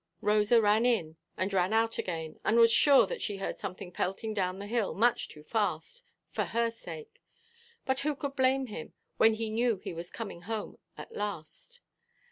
Rosa ran in, and ran out again, and was sure that she heard something pelting down the hill much too fast, for her sake! but who could blame him when he knew he was coming home at last?